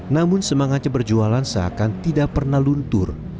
namun semangatnya berjualan seakan tidak pernah luntur